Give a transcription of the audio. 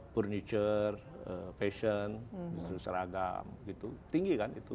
purniture fashion seragam tinggi kan itu